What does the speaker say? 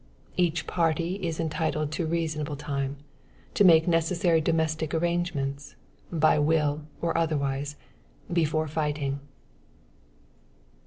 Each party is entitled to reasonable time, to make the necessary domestic arrangements, by will or otherwise, before fighting.